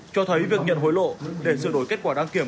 cho thấy việc nhận hối lộ để sửa đổi kết quả đăng kiểm